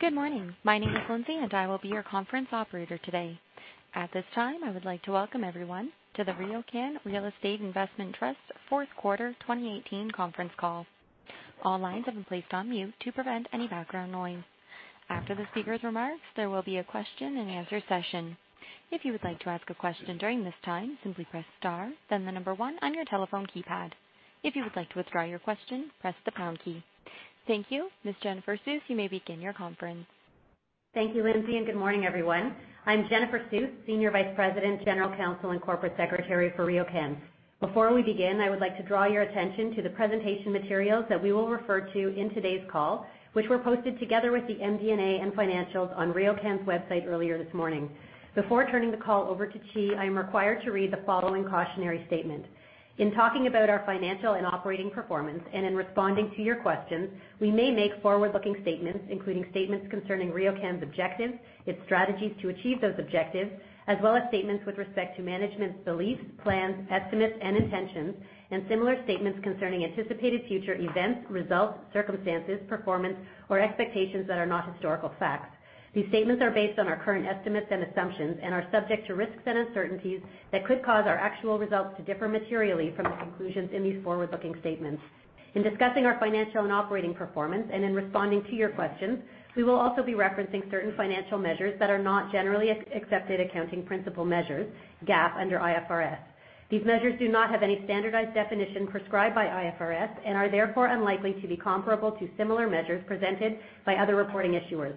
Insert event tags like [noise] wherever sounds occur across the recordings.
Good morning. My name is Lindsay, and I will be your Conference Operator today. At this time, I would like to welcome everyone to the RioCan Real Estate Investment Trust Fourth Quarter 2018 Conference Call. All lines have been placed on mute to prevent any background noise. After the speaker's remarks, there will be a question and answer session. If you would like to ask a question during this time, simply press star, then the number one on your telephone keypad. If you would like to withdraw your question, press the pound key. Thank you. Ms. Jennifer Suess, you may begin your conference. Thank you, Lindsay. Good morning, everyone. I'm Jennifer Suess, Senior Vice President, General Counsel, and Corporate Secretary for RioCan. Before we begin, I would like to draw your attention to the presentation materials that we will refer to in today's call, which were posted together with the MD&A and financials on RioCan's website earlier this morning. Before turning the call over to Qi, I am required to read the following cautionary statement. In talking about our financial and operating performance and in responding to your questions, we may make forward-looking statements, including statements concerning RioCan's objectives, its strategies to achieve those objectives, as well as statements with respect to management's beliefs, plans, estimates, and intentions, and similar statements concerning anticipated future events, results, circumstances, performance, or expectations that are not historical facts. These statements are based on our current estimates and assumptions and are subject to risks and uncertainties that could cause our actual results to differ materially from the conclusions in these forward-looking statements. In discussing our financial and operating performance and in responding to your questions, we will also be referencing certain financial measures that are not generally accepted accounting principle measures, GAAP under IFRS. These measures do not have any standardized definition prescribed by IFRS and are therefore unlikely to be comparable to similar measures presented by other reporting issuers.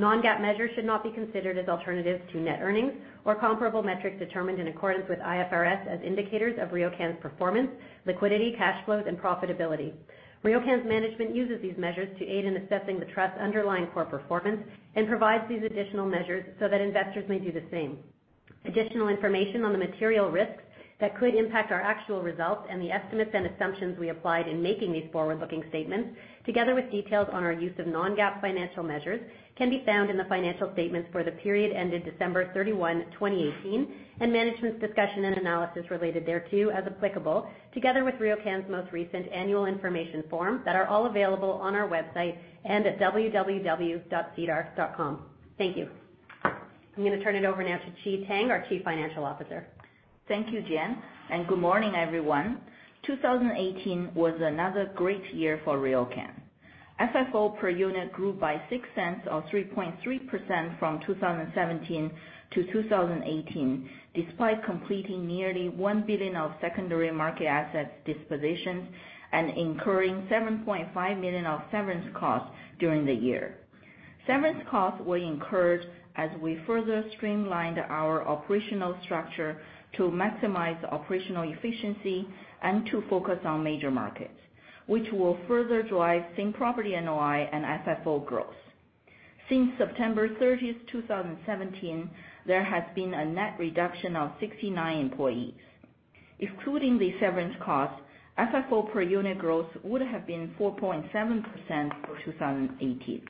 Non-GAAP measures should not be considered as alternatives to net earnings or comparable metrics determined in accordance with IFRS as indicators of RioCan's performance, liquidity, cash flows and profitability. RioCan's management uses these measures to aid in assessing the trust's underlying core performance and provides these additional measures so that investors may do the same. Additional information on the material risks that could impact our actual results and the estimates and assumptions we applied in making these forward-looking statements, together with details on our use of non-GAAP financial measures, can be found in the financial statements for the period ended December 31, 2018, and management's discussion and analysis related thereto as applicable, together with RioCan's most recent annual information form that are all available on our website and at www.sedar.com. Thank you. I'm going to turn it over now to Qi Tang, our Chief Financial Officer. Thank you, Jen. Good morning, everyone. 2018 was another great year for RioCan. FFO per unit grew by 0.06 or 3.3% from 2017 to 2018, despite completing nearly 1 billion of secondary market assets dispositions and incurring 7.5 million of severance costs during the year. Severance costs were incurred as we further streamlined our operational structure to maximize operational efficiency and to focus on major markets, which will further drive same property NOI and FFO growth. Since September 30th, 2017, there has been a net reduction of 69 employees. Including the severance cost, FFO per unit growth would have been 4.7% for 2018.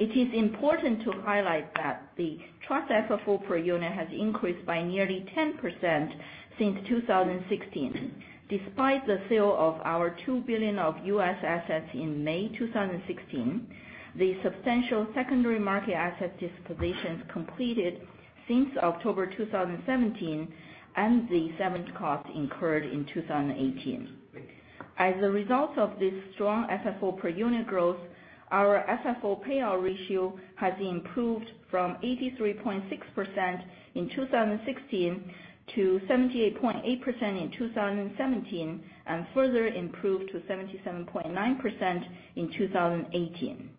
It is important to highlight that the trust FFO per unit has increased by nearly 10% since 2016, despite the sale of our $2 billion of U.S. assets in May 2016, the substantial secondary market asset dispositions completed since October 2017, and the severance costs incurred in 2018. As a result of this strong FFO per unit growth, our FFO payout ratio has improved from 83.6% in 2016 to 78.8% in 2017, and further improved to 77.9% in 2018.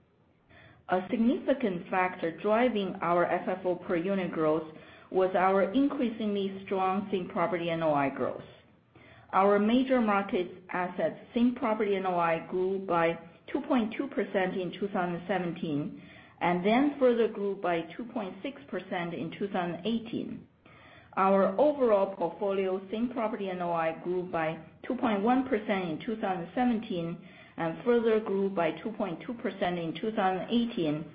A significant factor driving our FFO per unit growth was our increasingly strong same-property NOI growth. Our major market assets' same-property NOI grew by 2.2% in 2017, further grew by 2.6% in 2018. Our overall portfolio same-property NOI grew by 2.1% in 2017 and further grew by 2.2% in 2018.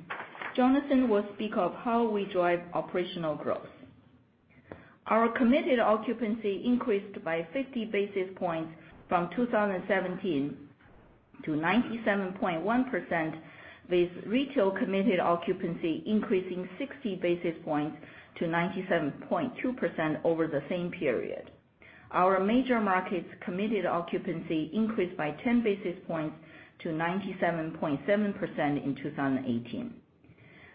Jonathan will speak of how we drive operational growth. Our committed occupancy increased by 50 basis points from 2017 to 97.1%, with retail committed occupancy increasing 60 basis points to 97.2% over the same period. Our major markets' committed occupancy increased by 10 basis points to 97.7% in 2018.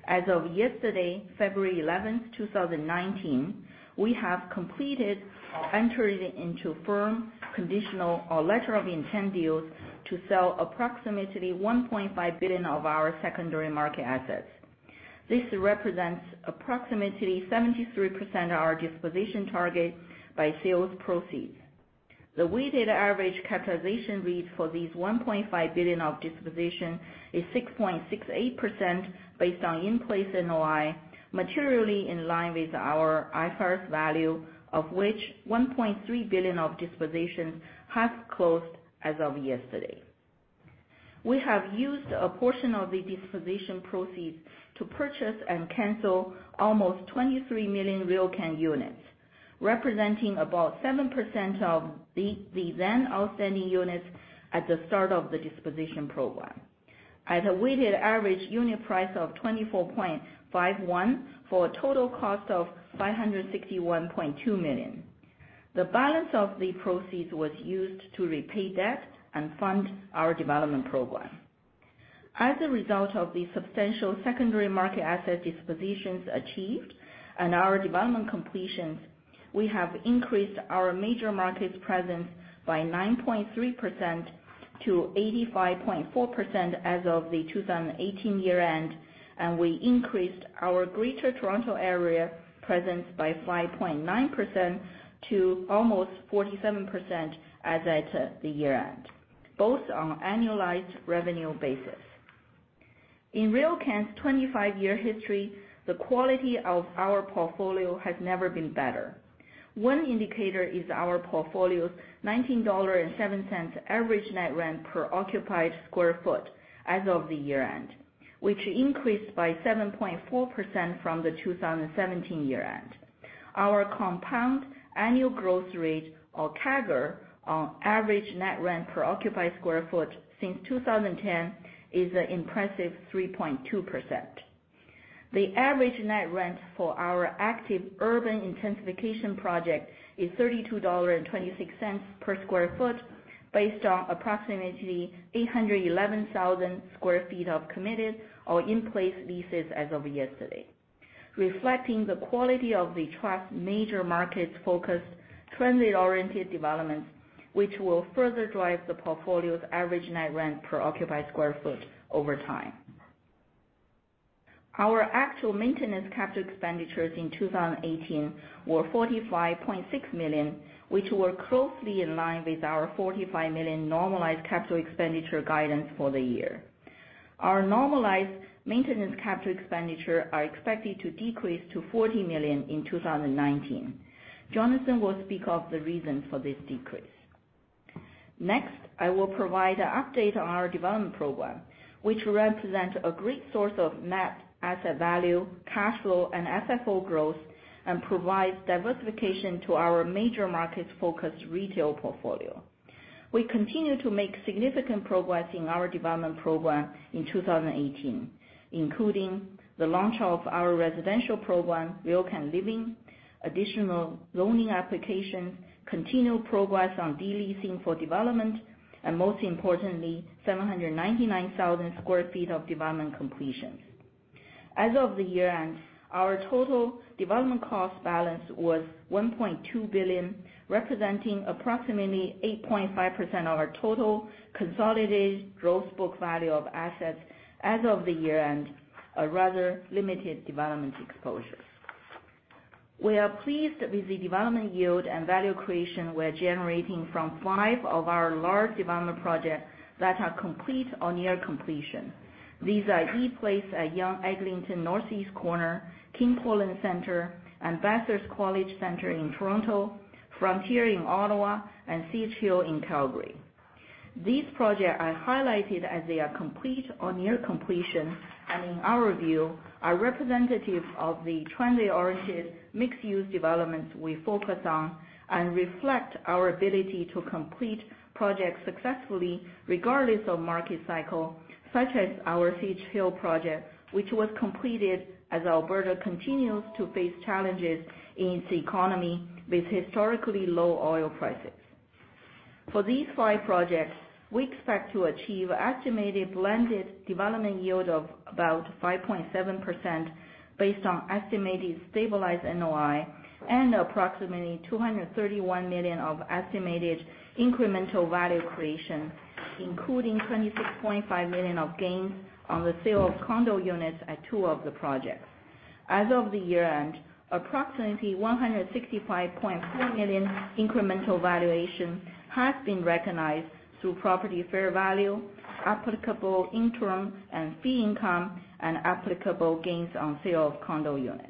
As of yesterday, February 11th, 2019, we have completed or entered into firm conditional or letter of intent deals to sell approximately 1.5 billion of our secondary market assets. This represents approximately 73% of our disposition target by sales proceeds. The weighted average capitalization rate for these 1.5 billion of disposition is 6.68% based on in-place NOI, materially in line with our IFRS value, of which 1.3 billion of dispositions have closed as of yesterday. We have used a portion of the disposition proceeds to purchase and cancel almost 23 million RioCan units, representing about 7% of the [audio distortion] outstanding units at the start of the disposition program. At a weighted average unit price of 24.51 for a total cost of 561.2 million. The balance of the proceeds was used to repay debt and fund our development program. As a result of the substantial secondary market asset dispositions achieved and our development completions, we have increased our major market presence by 9.3% to 85.4% as of the 2018 year-end, and we increased our Greater Toronto Area presence by 5.9% to almost 47% as at the year-end, both on annualized revenue basis. In RioCan's 25-year history, the quality of our portfolio has never been better. One indicator is our portfolio's 19.7 dollars average net rent per occupied square foot as of the year-end, which increased by 7.4% from the 2017 year-end. Our Compound Annual Growth Rate, or CAGR, on average net rent per occupied square foot since 2010 is an impressive 3.2%. The average net rent for our active urban intensification project is 32.26 dollars per square foot, based on approximately 811,000 sq ft of committed or in-place leases as of yesterday, reflecting the quality of the Trust's major markets focused transit-oriented developments, which will further drive the portfolio's average net rent per occupied square foot over time. Our actual maintenance capital expenditures in 2018 were 45.6 million, which were closely in line with our 45 million normalized capital expenditure guidance for the year. Our normalized maintenance capital expenditure are expected to decrease to 40 million in 2019. Jonathan will speak of the reasons for this decrease. Next, I will provide an update on our development program, which represents a great source of net asset value, cash flow, and FFO growth, and provides diversification to our major market-focused retail portfolio. We continue to make significant progress in our development program in 2018, including the launch of our residential program, RioCan Living, additional zoning applications, continued progress on de-leasing for development, and most importantly, 799,000 sq ft of development completions. As of the year-end, our total development cost balance was 1.2 billion, representing approximately 8.5% of our total consolidated gross book value of assets as of the year-end, a rather limited development exposure. We are pleased with the development yield and value creation we're generating from five of our large development projects that are complete or near completion. These are ePlace at Yonge–Eglinton northeast corner, King Portland Centre, and Bathurst College Centre in Toronto, Frontier in Ottawa, and Sage Hill in Calgary. These projects are highlighted as they are complete or near completion, and in our view, are representative of the transit-oriented mixed-use developments we focus on, and reflect our ability to complete projects successfully regardless of market cycle, such as our Sage Hill project, which was completed as Alberta continues to face challenges in its economy with historically low oil prices. For these five projects, we expect to achieve an estimated blended development yield of about 5.7% based on estimated stabilized NOI and approximately 231 million of estimated incremental value creation, including 26.5 million of gains on the sale of condo units at two of the projects. As of the year-end, approximately 165.4 million incremental valuation has been recognized through property fair value, applicable interim and fee income, and applicable gains on sale of condo units.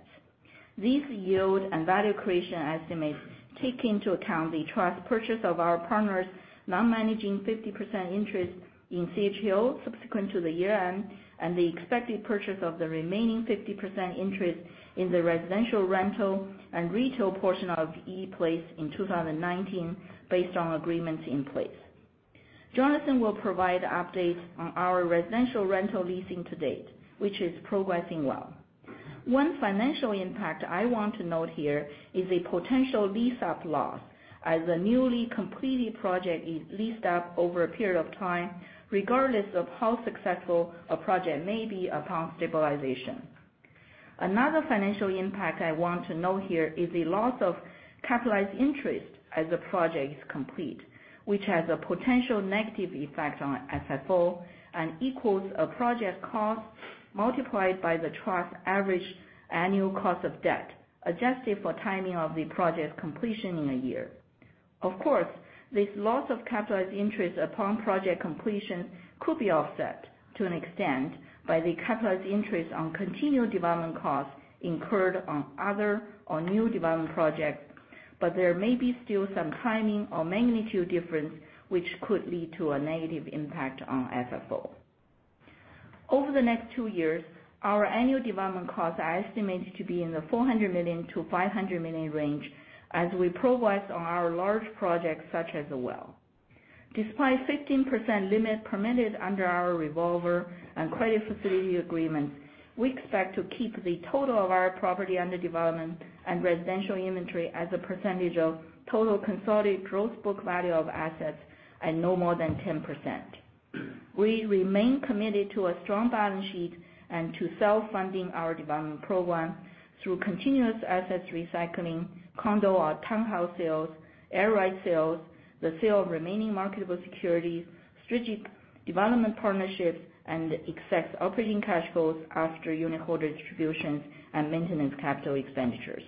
These yield and value creation estimates take into account the Trust's purchase of our partners' non-managing 50% interest in Sage Hill subsequent to the year-end, and the expected purchase of the remaining 50% interest in the residential, rental, and retail portion of ePlace in 2019, based on agreements in place. Jonathan will provide updates on our residential rental leasing to date, which is progressing well. One financial impact I want to note here is a potential lease-up loss, as a newly completed project is leased up over a period of time, regardless of how successful a project may be upon stabilization. Another financial impact I want to note here is the loss of capitalized interest as a project is complete, which has a potential negative effect on FFO and equals a project cost multiplied by the trust's average annual cost of debt, adjusted for timing of the project completion in a year. This loss of capitalized interest upon project completion could be offset to an extent by the capitalized interest on continued development costs incurred on other or new development projects, there may be still some timing or magnitude difference which could lead to a negative impact on FFO. Over the next two years, our annual development costs are estimated to be in the 400 million-500 million range as we progress on our large projects such as Well. Despite 15% limit permitted under our revolver and credit facility agreement, we expect to keep the total of our property under development and residential inventory as a percentage of total consolidated gross book value of assets at no more than 10%. We remain committed to a strong balance sheet and to self-funding our development program through continuous assets recycling, condo or townhouse sales, air right sales, the sale of remaining marketable securities, strategic development partnerships, and excess operating cash flows after unholder distributions and maintenance capital expenditures.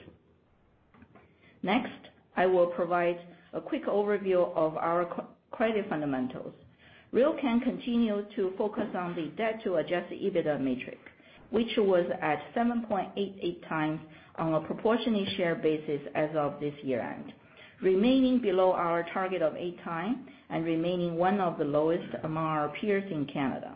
I will provide a quick overview of our credit fundamentals. RioCan continue to focus on the debt to Adjusted EBITDA metric, which was at 7.88x on a proportionally shared basis as of this year-end, remaining below our target of 8x and remaining one of the lowest among our peers in Canada.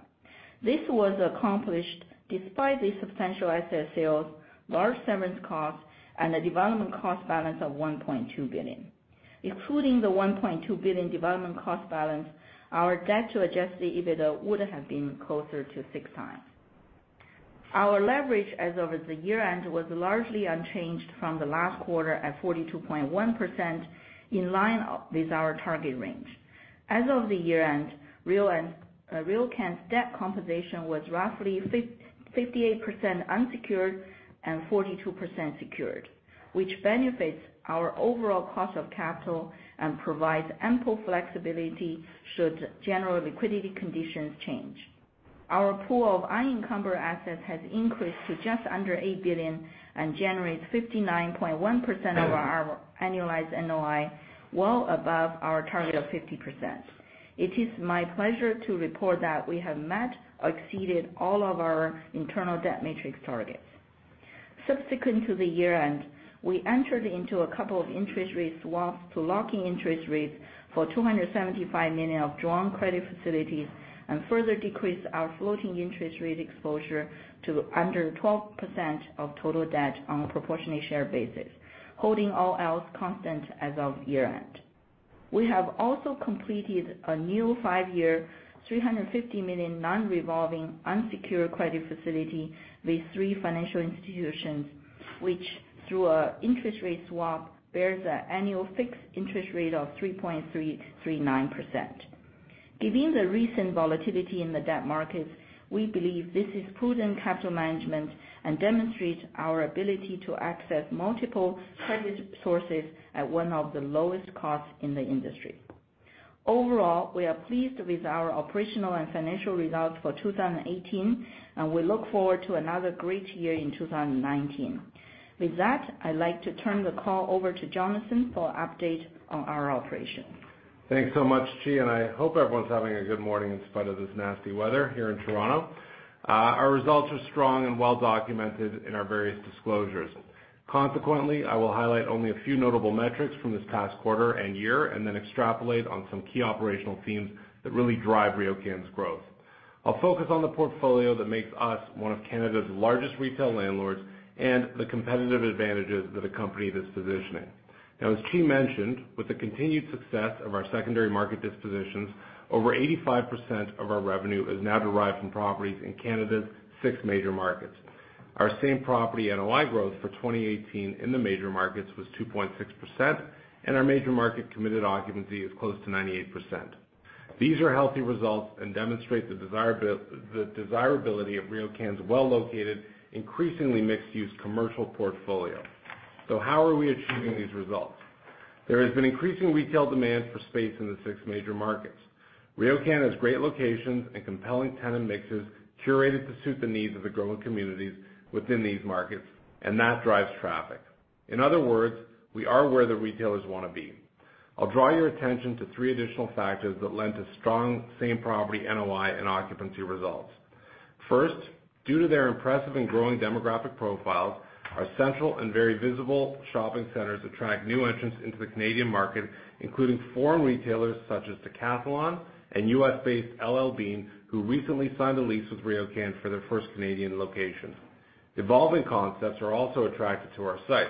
This was accomplished despite the substantial asset sales, large severance costs, and a development cost balance of 1.2 billion. Including the 1.2 billion development cost balance, our debt to Adjusted EBITDA would have been closer to 6x. Our leverage as of the year-end was largely unchanged from the last quarter at 42.1%, in line with our target range. As of the year-end, RioCan's debt composition was roughly 58% unsecured and 42% secured, which benefits our overall cost of capital and provides ample flexibility should general liquidity conditions change. Our pool of unencumbered assets has increased to just under 8 billion and generates 59.1% of our annualized NOI, well above our target of 50%. It is my pleasure to report that we have met or exceeded all of our internal debt matrix targets. Subsequent to the year-end, we entered into a couple of interest rate swaps to lock in interest rates for 275 million of drawn credit facilities and further decreased our floating interest rate exposure to under 12% of total debt on a proportionally shared basis, holding all else constant as of year-end. We have also completed a new five-year, 350 million non-revolving unsecured credit facility with three financial institutions, which through an interest rate swap, bears an annual fixed interest rate of 3.339%. Given the recent volatility in the debt markets, we believe this is prudent capital management and demonstrates our ability to access multiple credit sources at one of the lowest costs in the industry. We are pleased with our operational and financial results for 2018, we look forward to another great year in 2019. With that, I'd like to turn the call over to Jonathan for update on our operations. Thanks so much, Qi. I hope everyone's having a good morning in spite of this nasty weather here in Toronto. Our results are strong and well documented in our various disclosures. Consequently, I will highlight only a few notable metrics from this past quarter and year. Then extrapolate on some key operational themes that really drive RioCan's growth. I'll focus on the portfolio that makes us one of Canada's largest retail landlords and the competitive advantages that accompany this positioning. As Qi mentioned, with the continued success of our secondary market dispositions, over 85% of our revenue is now derived from properties in Canada's Six Major Markets. Our same property NOI growth for 2018 in the major markets was 2.6%, and our major market committed occupancy is close to 98%. These are healthy results and demonstrate the desirability of RioCan's well-located, increasingly mixed-use commercial portfolio. How are we achieving these results? There has been increasing retail demand for space in the Six Major Markets. RioCan has great locations and compelling tenant mixes curated to suit the needs of the growing communities within these markets. That drives traffic. In other words, we are where the retailers want to be. I'll draw your attention to three additional factors that lend to strong same property NOI and occupancy results. First, due to their impressive and growing demographic profiles, our central and very visible shopping centers attract new entrants into the Canadian market, including foreign retailers such as Decathlon and U.S.-based L.L.Bean, who recently signed a lease with RioCan for their first Canadian location. Evolving concepts are also attracted to our sites.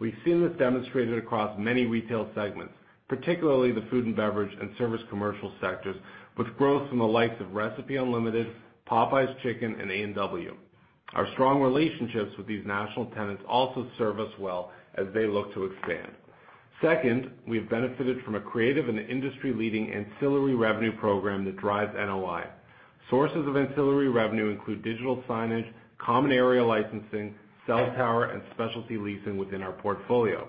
We've seen this demonstrated across many retail segments, particularly the food and beverage and service commercial sectors, with growth from the likes of Recipe Unlimited, Popeyes Chicken, and A&W. Our strong relationships with these national tenants also serve us well as they look to expand. Second, we've benefited from a creative and industry-leading ancillary revenue program that drives NOI. Sources of ancillary revenue include digital signage, common area licensing, cell tower, and specialty leasing within our portfolio.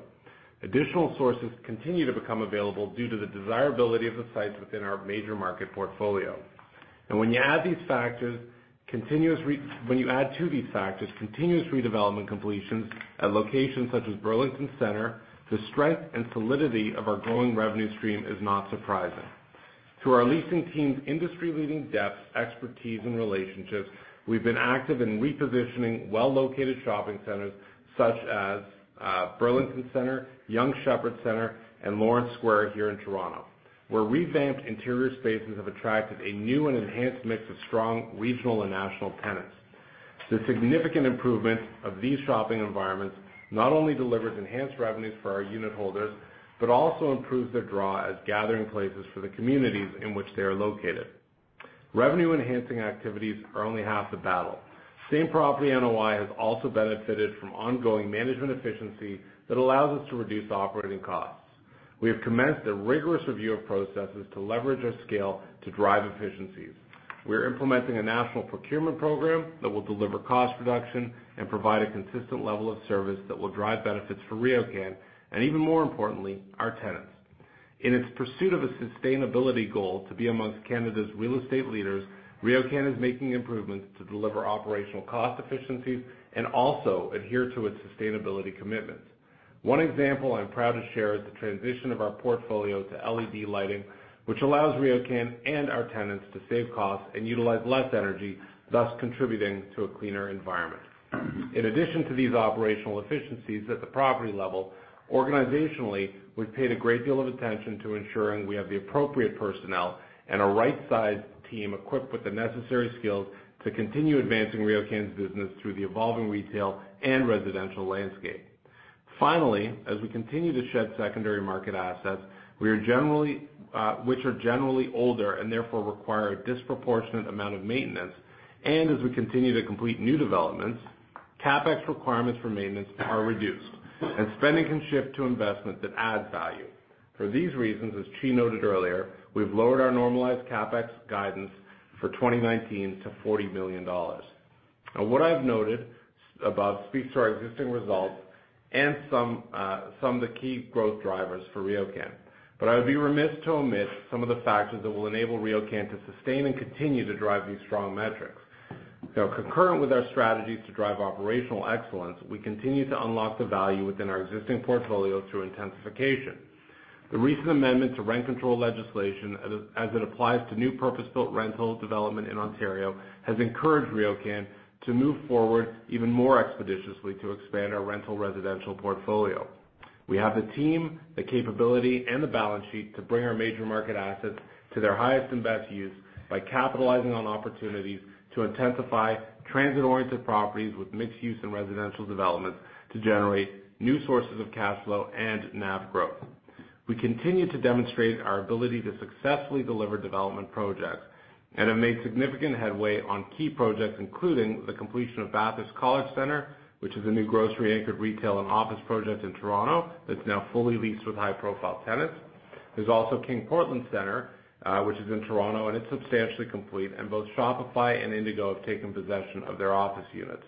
Additional sources continue to become available due to the desirability of the sites within our major market portfolio. When you add to these factors, continuous redevelopment completions at locations such as Burlington Centre, the strength and solidity of our growing revenue stream is not surprising. Through our leasing team's industry-leading depth, expertise, and relationships, we've been active in repositioning well-located shopping centers such as Burlington Centre, Yonge Sheppard Centre, and Lawrence Square here in Toronto. Where revamped interior spaces have attracted a new and enhanced mix of strong regional and national tenants. The significant improvements of these shopping environments not only delivers enhanced revenues for our unit holders, but also improves their draw as gathering places for the communities in which they are located. Revenue-enhancing activities are only half the battle. Same property NOI has also benefited from ongoing management efficiency that allows us to reduce operating costs. We have commenced a rigorous review of processes to leverage our scale to drive efficiencies. We are implementing a national procurement program that will deliver cost reduction and provide a consistent level of service that will drive benefits for RioCan, and even more importantly, our tenants. In its pursuit of a sustainability goal to be amongst Canada's real estate leaders, RioCan is making improvements to deliver operational cost efficiencies and also adhere to its sustainability commitments. One example I'm proud to share is the transition of our portfolio to LED lighting, which allows RioCan and our tenants to save costs and utilize less energy, thus contributing to a cleaner environment. In addition to these operational efficiencies at the property level, organizationally, we've paid a great deal of attention to ensuring we have the appropriate personnel and a right-sized team equipped with the necessary skills to continue advancing RioCan's business through the evolving retail and residential landscape. Finally, as we continue to shed secondary market assets, which are generally older and therefore require a disproportionate amount of maintenance, and as we continue to complete new developments, CapEx requirements for maintenance are reduced, and spending can shift to investments that add value. For these reasons, as Qi noted earlier, we've lowered our normalized CapEx guidance for 2019 to 40 million dollars. What I've noted above speaks to our existing results and some of the key growth drivers for RioCan. I would be remiss to omit some of the factors that will enable RioCan to sustain and continue to drive these strong metrics. Concurrent with our strategies to drive operational excellence, we continue to unlock the value within our existing portfolio through intensification. The recent amendment to rent control legislation as it applies to new purpose-built rental development in Ontario, has encouraged RioCan to move forward even more expeditiously to expand our rental residential portfolio. We have the team, the capability, and the balance sheet to bring our major market assets to their highest and best use by capitalizing on opportunities to intensify transit-oriented properties with mixed use and residential developments to generate new sources of cash flow and NAV growth. We continue to demonstrate our ability to successfully deliver development projects and have made significant headway on key projects, including the completion of Bathurst College Centre, which is a new grocery-anchored retail and office project in Toronto that's now fully leased with high-profile tenants. There's also King Portland Centre, which is in Toronto, and it's substantially complete. Both Shopify and Indigo have taken possession of their office units.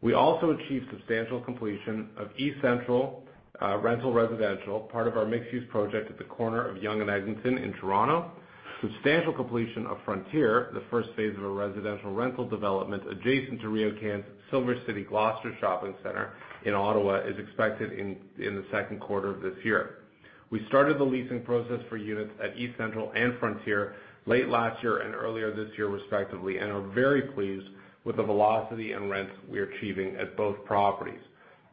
We also achieved substantial completion of eCentral, part of our mixed-use project at the corner of Yonge and Eglinton in Toronto. Substantial completion of Frontier, the first phase of a residential rental development adjacent to RioCan's Silver City Gloucester Shopping Centre in Ottawa, is expected in the second quarter of this year. We started the leasing process for units at eCentral and Frontier late last year and earlier this year, respectively, and are very pleased with the velocity and rents we are achieving at both properties.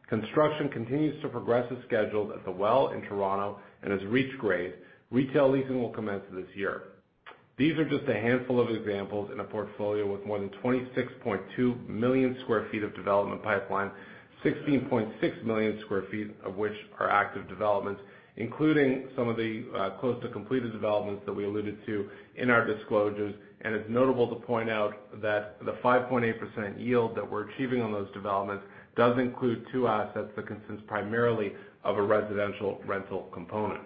Construction continues to progress as scheduled at The Well in Toronto and has reached grade. Retail leasing will commence this year. These are just a handful of examples in a portfolio with more than 26.2 million square feet of development pipeline, 16.6 million square feet of which are active developments, including some of the close-to-completed developments that we alluded to in our disclosures. It's notable to point out that the 5.8% yield that we're achieving on those developments does include two assets that consist primarily of a residential rental component.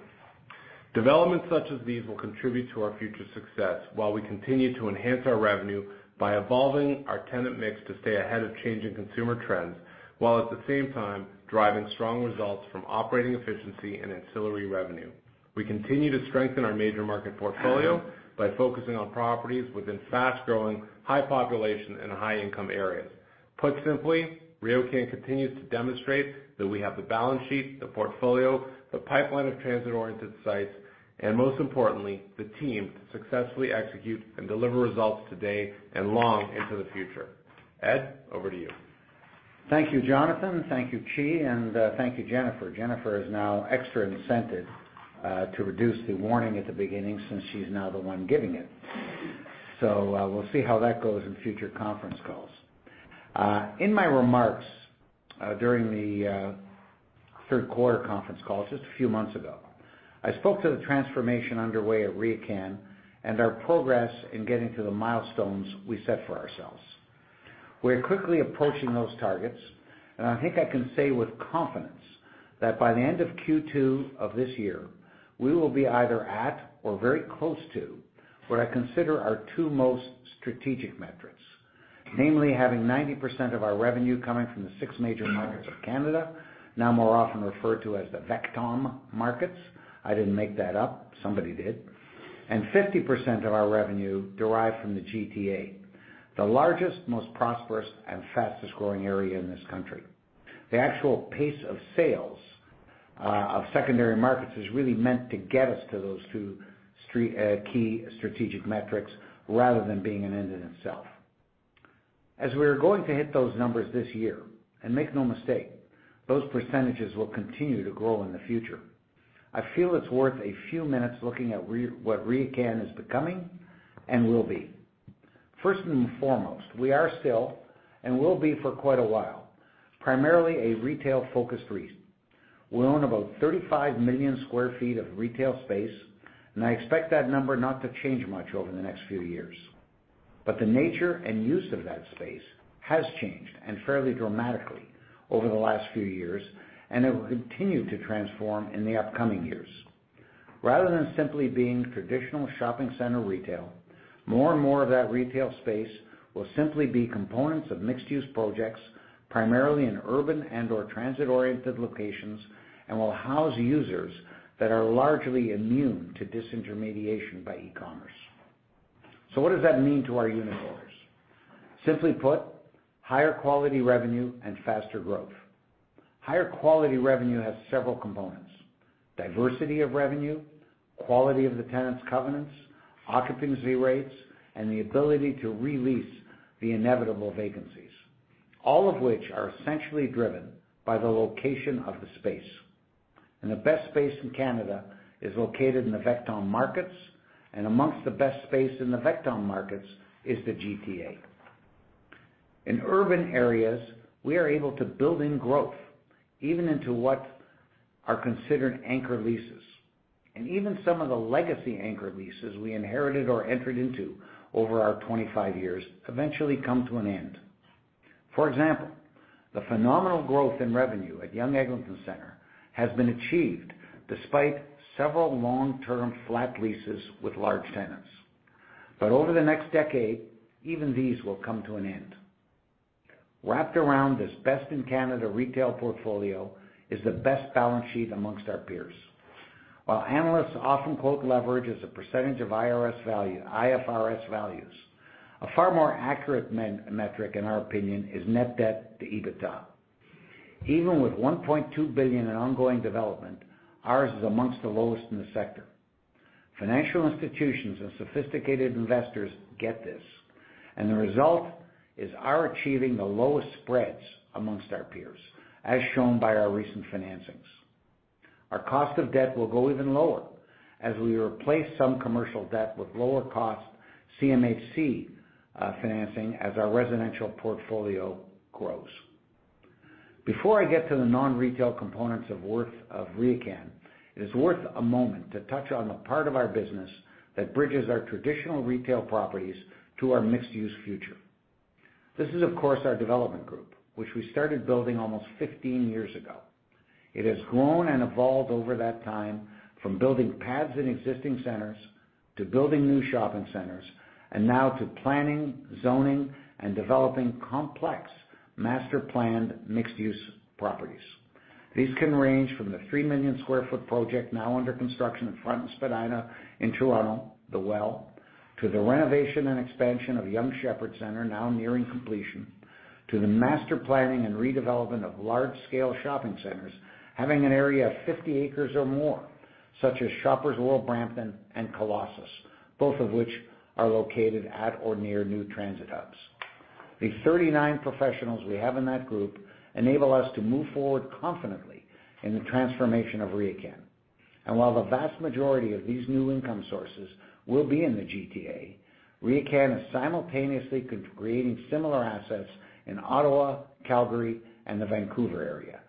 Developments such as these will contribute to our future success while we continue to enhance our revenue by evolving our tenant mix to stay ahead of changing consumer trends, while at the same time driving strong results from operating efficiency and ancillary revenue. We continue to strengthen our major market portfolio by focusing on properties within fast-growing, high population, and high-income areas. Put simply, RioCan continues to demonstrate that we have the balance sheet, the portfolio, the pipeline of transit-oriented sites, and most importantly, the team to successfully execute and deliver results today and long into the future. Ed, over to you. Thank you, Jonathan. Thank you, Qi, and thank you, Jennifer. Jennifer is now extra incented to reduce the warning at the beginning since she's now the one giving it. We'll see how that goes in future conference calls. In my remarks during the third quarter conference call just a few months ago, I spoke to the transformation underway at RioCan and our progress in getting to the milestones we set for ourselves. We are quickly approaching those targets, and I think I can say with confidence that by the end of Q2 of this year, we will be either at or very close to what I consider our two most strategic metrics. Namely, having 90% of our revenue coming from the Six Major markets of Canada, now more often referred to as the VECTOM markets. I didn't make that up. Somebody did. And 50% of our revenue derived from the GTA, the largest, most prosperous, and fastest-growing area in this country. The actual pace of sales of secondary markets is really meant to get us to those two key strategic metrics rather than being an end in itself. As we're going to hit those numbers this year, make no mistake, those percentages will continue to grow in the future. I feel it's worth a few minutes looking at what RioCan is becoming and will be. First and foremost, we are still, and will be for quite a while, primarily a retail-focused REIT. We own about 35 million square feet of retail space. I expect that number not to change much over the next few years. The nature and use of that space has changed, fairly dramatically, over the last few years. It will continue to transform in the upcoming years. Rather than simply being traditional shopping center retail, more and more of that retail space will simply be components of mixed-use projects, primarily in urban and/or transit-oriented locations, and will house users that are largely immune to disintermediation by e-commerce. What does that mean to our unitholders? Simply put, higher quality revenue and faster growth. Higher quality revenue has several components, diversity of revenue, quality of the tenant's covenants, occupancy rates, and the ability to re-lease the inevitable vacancies. All of which are essentially driven by the location of the space. The best space in Canada is located in the VECTOM markets, amongst the best space in the VECTOM markets is the GTA. In urban areas, we are able to build in growth, even into what are considered anchor leases. Even some of the legacy anchor leases we inherited or entered into over our 25 years eventually come to an end. For example, the phenomenal growth in revenue at Yonge-Eglinton Centre has been achieved despite several long-term flat leases with large tenants. Over the next decade, even these will come to an end. Wrapped around this best in Canada retail portfolio is the best balance sheet amongst our peers. While analysts often quote leverage as a % of IFRS values, a far more accurate metric, in our opinion, is net debt to EBITDA. Even with 1.2 billion in ongoing development, ours is amongst the lowest in the sector. Financial institutions and sophisticated investors get this. The result is our achieving the lowest spreads amongst our peers, as shown by our recent financings. Our cost of debt will go even lower as we replace some commercial debt with lower cost CMHC financing as our residential portfolio grows. Before I get to the non-retail components of worth of RioCan, it is worth a moment to touch on the part of our business that bridges our traditional retail properties to our mixed-use future. This is, of course, our development group, which we started building almost 15 years ago. It has grown and evolved over that time from building pads in existing centers to building new shopping centers, now to planning, zoning, and developing complex master-planned, mixed-use properties. These can range from the 3 million square foot project now under construction at Front-Spadina in Toronto, The Well, to the renovation and expansion of Yonge Sheppard Centre now nearing completion. To the master planning and redevelopment of large-scale shopping centers having an area of 50 acres or more, such as Shoppers World Brampton and Colossus, both of which are located at or near new transit hubs. The 39 professionals we have in that group enable us to move forward confidently in the transformation of RioCan. While the vast majority of these new income sources will be in the GTA, RioCan is simultaneously creating similar assets in Ottawa, Calgary, and the Vancouver area.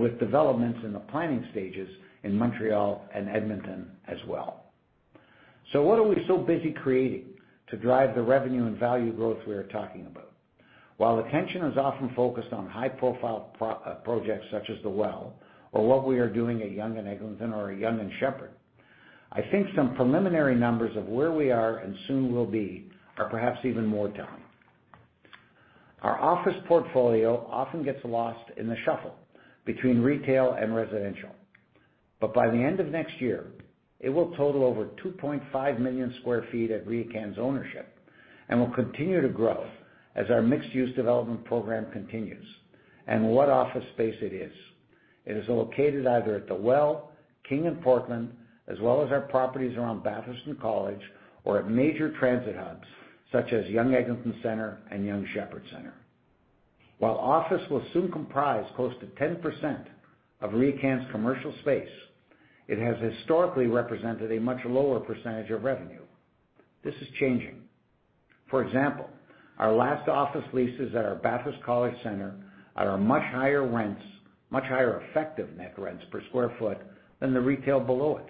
With developments in the planning stages in Montreal and Edmonton as well. What are we so busy creating to drive the revenue and value growth we are talking about? While attention is often focused on high-profile projects such as The Well, or what we are doing at Yonge-Eglinton or Yonge and Sheppard, I think some preliminary numbers of where we are and soon will be are perhaps even more telling. Our office portfolio often gets lost in the shuffle between retail and residential. By the end of next year, it will total over 2.5 million square feet at RioCan's ownership and will continue to grow as our mixed-use development program continues. What office space it is. It is located either at The Well, King and Portland, as well as our properties around Bathurst and College, or at major transit hubs such as Yonge-Eglinton Centre and Yonge Sheppard Centre. While office will soon comprise close to 10% of RioCan's commercial space, it has historically represented a much lower percentage of revenue. This is changing. For example, our last office leases at our Bathurst College Center at our much higher rents, much higher effective net rents per square foot than the retail below it.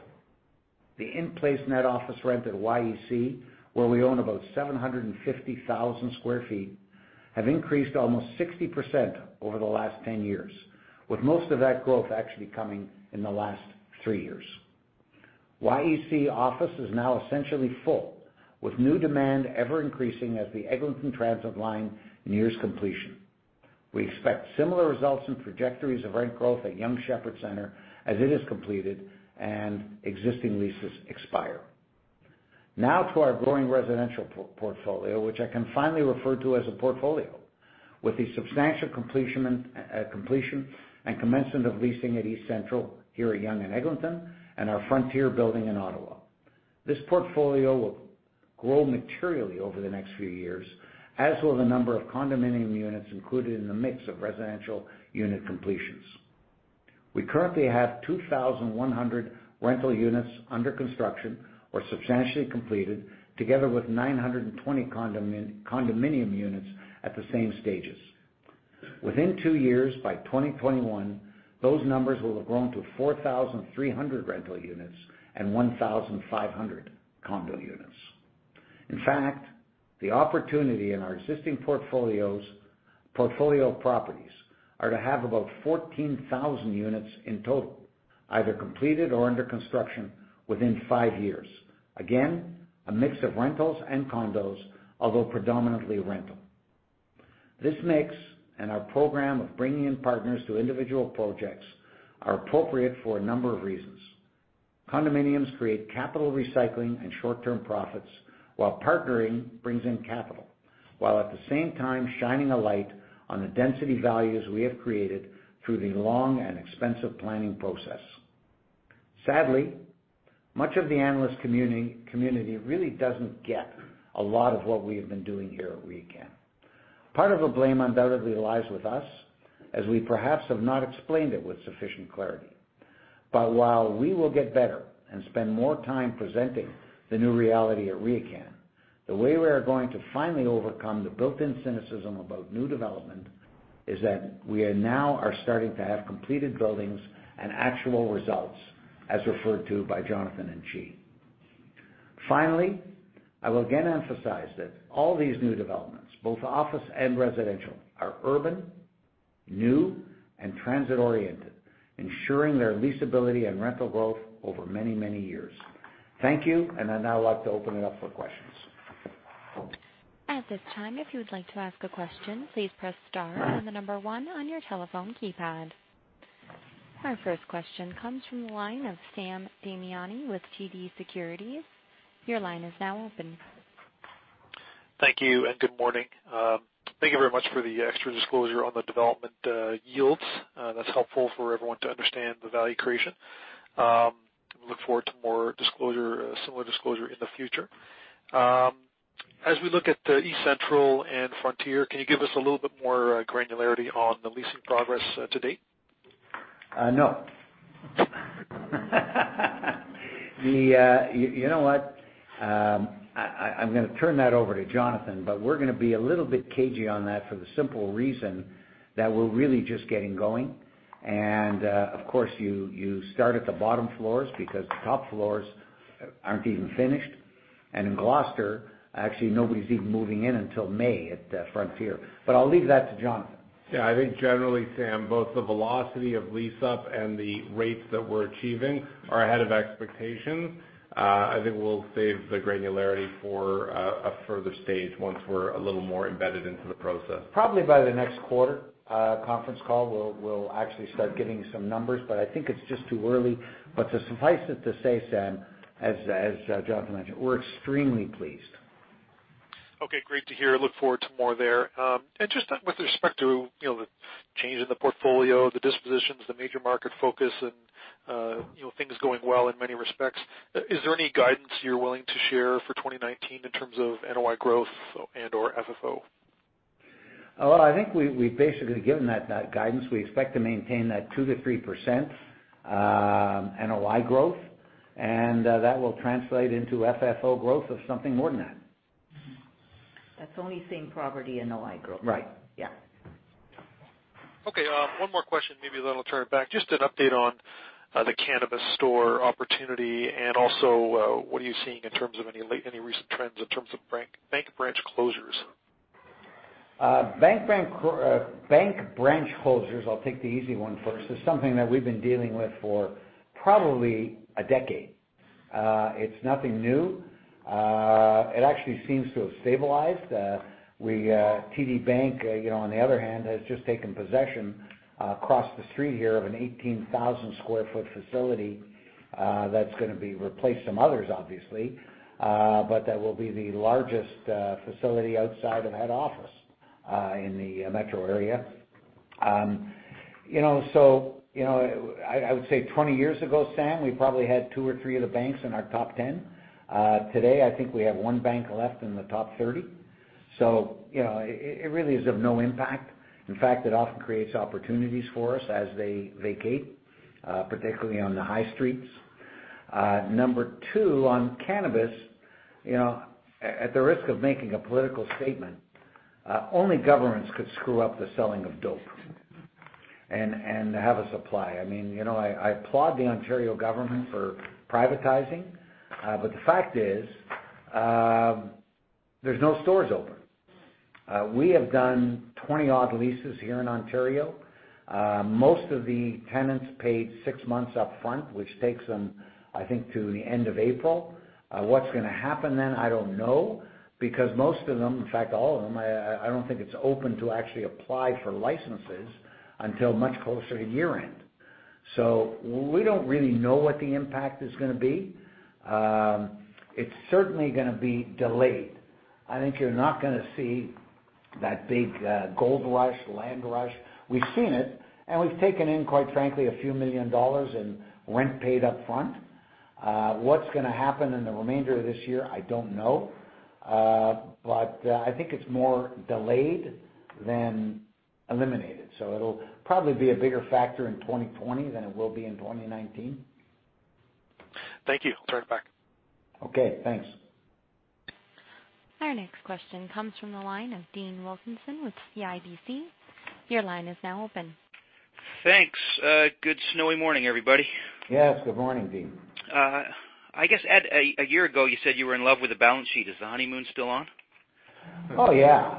The in-place net office rent at YEC, where we own about 750,000 sq ft, have increased almost 60% over the last 10 years, with most of that growth actually coming in the last three years. YEC office is now essentially full, with new demand ever increasing as the Eglinton transit line nears completion. We expect similar results and trajectories of rent growth at Yonge Sheppard Centre as it is completed and existing leases expire. Now to our growing residential portfolio, which I can finally refer to as a portfolio. With the substantial completion and commencement of leasing at eCentral here at Yonge-Eglinton and our Frontier building in Ottawa. This portfolio will grow materially over the next few years, as will the number of condominium units included in the mix of residential unit completions. We currently have 2,100 rental units under construction or substantially completed, together with 920 condominium units at the same stages. Within two years, by 2021, those numbers will have grown to 4,300 rental units and 1,500 condo units. In fact, the opportunity in our existing portfolio properties are to have about 14,000 units in total, either completed or under construction within five years. Again, a mix of rentals and condos, although predominantly rental. This mix and our program of bringing in partners to individual projects are appropriate for a number of reasons. Condominiums create capital recycling and short-term profits while partnering brings in capital. While at the same time shining a light on the density values we have created through the long and expensive planning process. Sadly, much of the analyst community really doesn't get a lot of what we have been doing here at RioCan. Part of the blame undoubtedly lies with us, as we perhaps have not explained it with sufficient clarity. While we will get better and spend more time presenting the new reality at RioCan, the way we are going to finally overcome the built-in cynicism about new development is that we are now starting to have completed buildings and actual results, as referred to by Jonathan and Qi. Finally, I will again emphasize that all these new developments, both office and residential, are urban, new, and transit-oriented, ensuring their leasability and rental growth over many, many years. Thank you, and I'd now like to open it up for questions. At this time, if you would like to ask a question, please press star and the number one on your telephone keypad. Our first question comes from the line of Sam Damiani with TD Securities. Your line is now open. Thank you, good morning. Thank you very much for the extra disclosure on the development yields. That's helpful for everyone to understand the value creation. Look forward to more similar disclosure in the future. As we look at eCentral and Frontier, can you give us a little bit more granularity on the leasing progress to date? No. You know what? I'm going to turn that over to Jonathan. We're going to be a little bit cagey on that for the simple reason that we're really just getting going. Of course, you start at the bottom floors because the top floors aren't even finished. In Gloucester, actually, nobody's even moving in until May at Frontier. I'll leave that to Jonathan. Yeah, I think generally, Sam, both the velocity of lease-up and the rates that we're achieving are ahead of expectation. I think we'll save the granularity for a further stage once we're a little more embedded into the process. Probably by the next quarter conference call, we'll actually start giving some numbers, but I think it's just too early. To suffice it to say, Sam, as Jonathan mentioned, we're extremely pleased. Okay, great to hear. Look forward to more there. Just with respect to the change in the portfolio, the dispositions, the major market focus, and things going well in many respects, is there any guidance you're willing to share for 2019 in terms of NOI growth and/or FFO? I think we've basically given that guidance. We expect to maintain that 2%-3% NOI growth, that will translate into FFO growth of something more than that. That's only same-property NOI growth. Right. Yeah. One more question, maybe then I'll turn it back. Just an update on the cannabis store opportunity, also, what are you seeing in terms of any recent trends in terms of bank branch closures? Bank branch closures, I'll take the easy one first, is something that we've been dealing with for probably a decade. It's nothing new. It actually seems to have stabilized. TD Bank, on the other hand, has just taken possession across the street here of an 18,000 sq ft facility that's going to be replacing some others, obviously. That will be the largest facility outside of head office in the metro area. I would say 20 years ago, Sam, we probably had two or three of the banks in our top 10. Today, I think we have one bank left in the top 30. It really is of no impact. In fact, it often creates opportunities for us as they vacate, particularly on the high streets. Number two, on cannabis, at the risk of making a political statement, only governments could screw up the selling of dope and have a supply. I applaud the Ontario government for privatizing. The fact is, there's no stores open. We have done 20-odd leases here in Ontario. Most of the tenants paid six months up front, which takes them, I think, to the end of April. What's going to happen then? I don't know. Most of them, in fact, all of them, I don't think it's open to actually apply for licenses until much closer to year-end. We don't really know what the impact is going to be. It's certainly going to be delayed. I think you're not going to see that big gold rush, land rush. We've seen it, and we've taken in, quite frankly, a few million in rent paid up front. What's going to happen in the remainder of this year, I don't know. I think it's more delayed than eliminated. It'll probably be a bigger factor in 2020 than it will be in 2019. Thank you. Turn it back. Okay, thanks. Our next question comes from the line of Dean Wilkinson with CIBC. Your line is now open. Thanks. Good snowy morning, everybody. Yes, good morning, Dean. I guess, Ed, a year ago, you said you were in love with the balance sheet. Is the honeymoon still on? Yeah.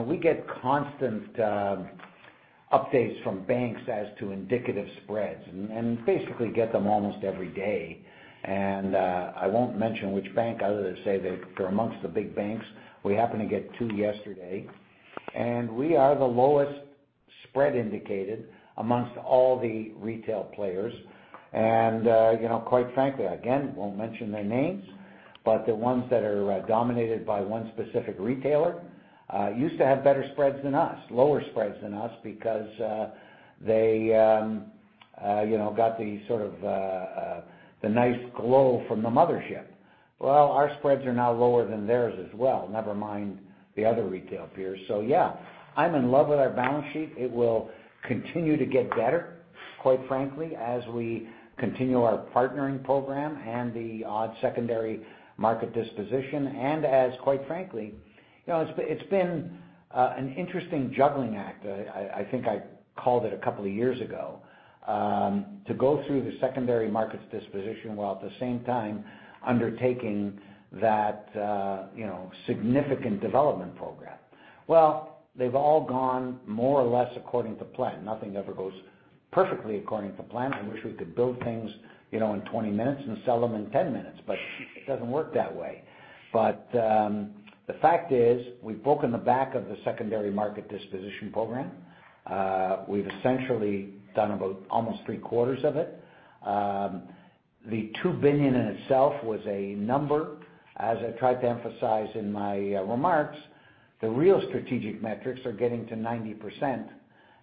We get constant updates from banks as to indicative spreads. Basically get them almost every day. I won't mention which bank other than to say they're amongst the big banks. We happened to get two yesterday. We are the lowest spread indicated amongst all the retail players. Quite frankly, again, won't mention their names, but the ones that are dominated by one specific retailer used to have better spreads than us, lower spreads than us because they got the sort of nice glow from the mothership. Well, our spreads are now lower than theirs as well, never mind the other retail peers. Yeah, I'm in love with our balance sheet. It will continue to get better, quite frankly, as we continue our partnering program and the odd secondary market disposition. As, quite frankly, it's been an interesting juggling act, I think I called it a couple of years ago, to go through the secondary markets disposition, while at the same time undertaking that significant development program. Well, they've all gone more or less according to plan. Nothing ever goes perfectly according to plan. I wish we could build things in 20 minutes and sell them in 10 minutes, but it doesn't work that way. The fact is, we've broken the back of the secondary market disposition program. We've essentially done about almost three-quarters of it. The 2 billion in itself was a number. As I tried to emphasize in my remarks, the real strategic metrics are getting to 90%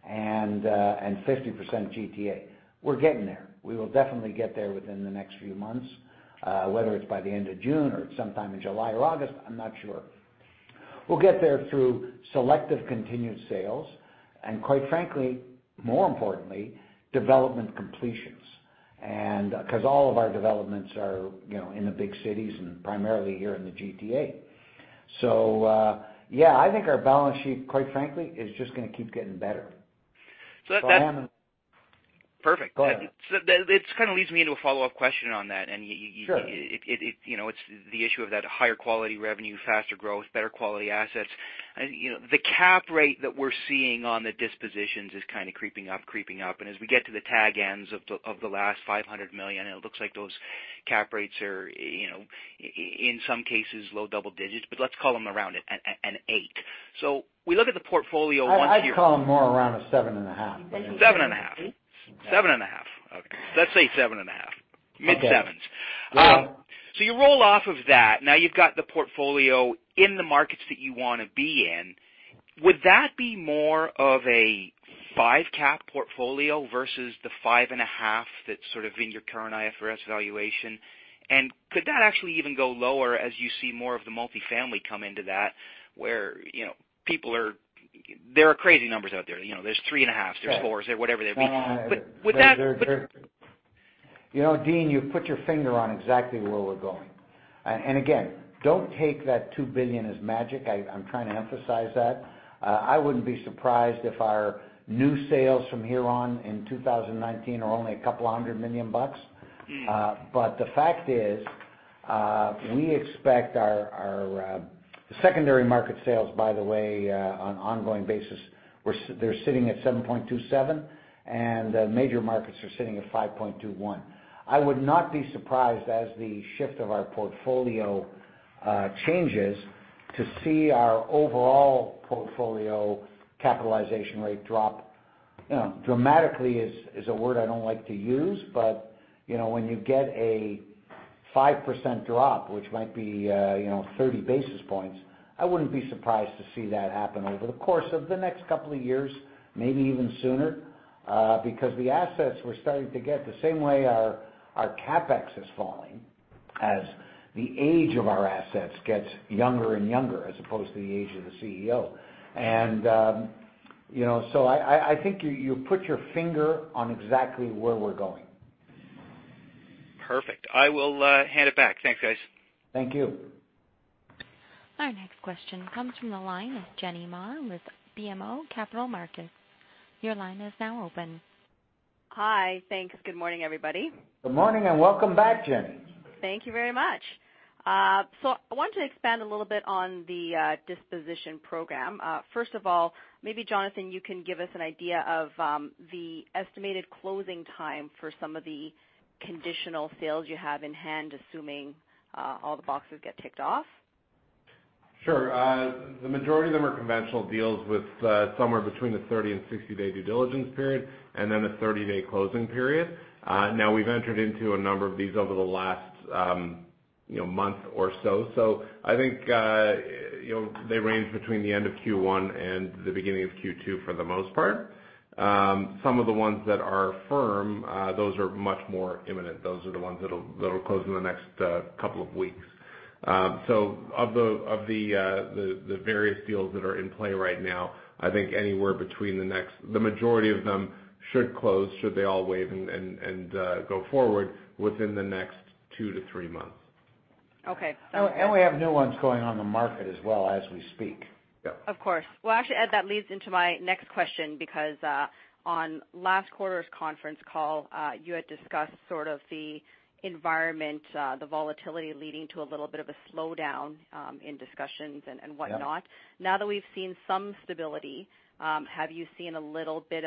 and 50% GTA. We're getting there. We will definitely get there within the next few months, whether it's by the end of June or sometime in July or August, I'm not sure. We'll get there through selective continued sales and quite frankly, more importantly, development completions. Because all of our developments are in the big cities and primarily here in the GTA. Yeah, I think our balance sheet, quite frankly, is just going to keep getting better. That's- Go ahead. It kind of leads me into a follow-up question on that. Sure. It's the issue of that higher quality revenue, faster growth, better quality assets. The cap rate that we're seeing on the dispositions is kind of creeping up. As we get to the tag ends of the last 500 million, it looks like those cap rates are, in some cases, low double digits, but let's call them around an eight. We look at the portfolio once you- I'd call them more around a 7.5%. 7.5%. Okay. Let's say 7.5%. Mid-7%. Yeah. You roll off of that. Now you've got the portfolio in the markets that you want to be in. Would that be more of a 5% cap portfolio versus the 5.5% that's sort of in your current IFRS valuation? Could that actually even go lower as you see more of the multifamily come into that, where there are crazy numbers out there. There's 3.5%, there's 4%, whatever they may be. With that. Dean, you put your finger on exactly where we're going. Again, don't take that 2 billion as magic. I'm trying to emphasize that. I wouldn't be surprised if our new sales from here on in 2019 are only a couple of hundred million CAD. The fact is, we expect our secondary market sales, by the way, on an ongoing basis, they're sitting at 7.27%, major markets are sitting at 5.21%. I would not be surprised as the shift of our portfolio changes to see our overall portfolio capitalization rate drop. Dramatically is a word I don't like to use, but when you get a 5% drop, which might be 30 basis points, I wouldn't be surprised to see that happen over the course of the next couple of years, maybe even sooner. Because the assets we're starting to get, the same way our CapEx is falling, as the age of our assets gets younger and younger, as opposed to the age of the CEO. I think you put your finger on exactly where we're going. Perfect. I will hand it back. Thanks, guys. Thank you. Our next question comes from the line of Jenny Ma with BMO Capital Markets. Your line is now open. Hi. Thanks. Good morning, everybody. Good morning, welcome back, Jen. Thank you very much. I wanted to expand a little bit on the disposition program. First of all, maybe Jonathan, you can give us an idea of the estimated closing time for some of the conditional sales you have in hand, assuming all the boxes get ticked off. Sure. The majority of them are conventional deals with somewhere between the 30 and 60-day due diligence period, and then a 30-day closing period. Now, we've entered into a number of these over the month or so. I think, they range between the end of Q1 and the beginning of Q2 for the most part. Some of the ones that are firm, those are much more imminent. Those are the ones that'll close in the next couple of weeks. Of the various deals that are in play right now, I think anywhere between The majority of them should close, should they all waive and go forward within the next two to three months. Okay. We have new ones going on the market as well as we speak. Yep. Of course. Well, actually, Ed, that leads into my next question because, on last quarter's conference call, you had discussed sort of the environment, the volatility leading to a little bit of a slowdown in discussions and whatnot. Yeah. Now that we've seen some stability, have you seen a little bit